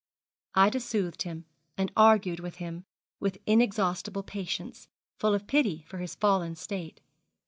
Ida soothed him, and argued with him, with inexhaustible patience, full of pity for his fallen state.